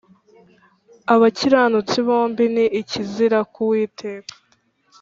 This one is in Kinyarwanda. abakiranutsi Bombi ni ikizira ku Uwiteka